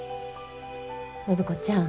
暢子ちゃん